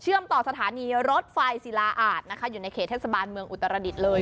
ต่อสถานีรถไฟศิลาอาจนะคะอยู่ในเขตเทศบาลเมืองอุตรดิษฐ์เลย